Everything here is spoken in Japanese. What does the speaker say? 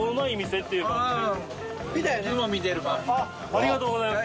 ありがとうございます！